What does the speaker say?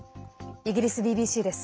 イギリスＢＢＣです。